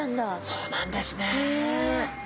そうなんですね。